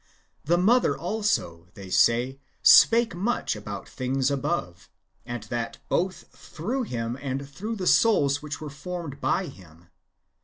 The mother also, they say, spake much about things above, and that both through him and through the souls which were formed by him.